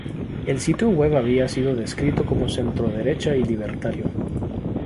El sitio web habia sido descrito como centroderecha y libertario.